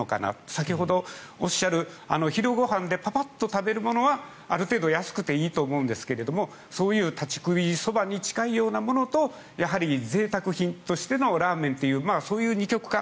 先ほどおっしゃる昼ご飯でパパッと食べるものはある程度安くていいと思うんですけどそういう立ち食いそばに近いようなものとやはりぜいたく品としてのラーメンというそういう二極化。